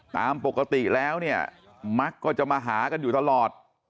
ตามปกติแล้วเนี่ยมักก็จะมาหากันอยู่ตลอด